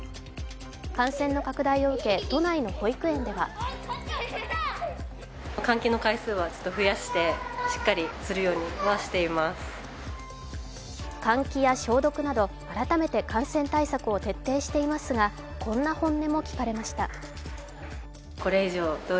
感染の拡大を受け都内の保育園では換気や消毒など改めて感染対策を徹底していますがこんな本音も聞かれました。